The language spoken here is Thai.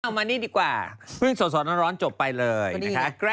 มานี่ดีกว่าเพิ่งสดร้อนจบไปเลยนะคะ